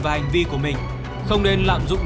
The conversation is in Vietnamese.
và hành vi của mình không nên lạm dụng